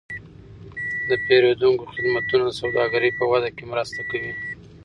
د پیرودونکو خدمتونه د سوداګرۍ په وده کې مرسته کوي.